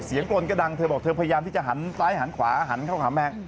กลนก็ดังเธอบอกเธอพยายามที่จะหันซ้ายหันขวาหันเข้าขาแมง